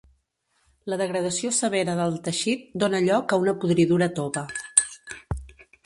La degradació severa del teixit dóna lloc a una podridura tova.